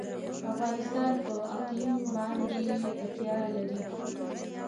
افغانستان په اقلیم باندې تکیه لري.